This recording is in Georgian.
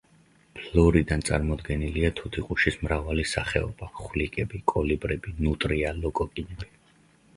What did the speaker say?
ფლორიდან წარმოდგენილია თუთიყუშის მრავალი სახეობა, ხვლიკები, კოლიბრები, ნუტრია, ლოკოკინები.